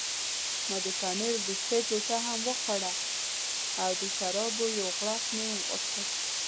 ما د پنیر وروستۍ ټوټه هم وخوړه او د شرابو یو غوړپ مې وکړ.